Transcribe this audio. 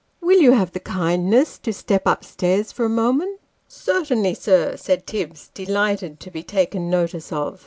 " Will you have the kindness to step up stairs for a moment ?"" Certainly, sir," said Tibbs, delighted to be taken notice of.